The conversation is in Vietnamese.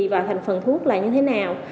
và thành phần thuốc là như thế nào